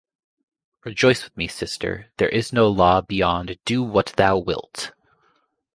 Rejoice with me, sister, there is no law beyond Do what thou wilt!